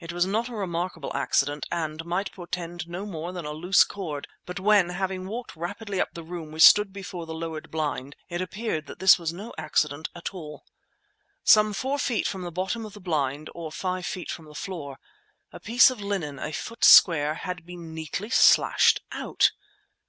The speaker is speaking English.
It was not a remarkable accident, and might portend no more than a loose cord; but when, having walked rapidly up the room, we stood before the lowered blind, it appeared that this was no accident at all. Some four feet from the bottom of the blind (or five feet from the floor) a piece of linen a foot square had been neatly slashed out!